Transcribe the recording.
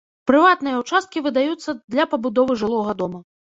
Прыватныя ўчасткі выдаюцца для пабудовы жылога дома.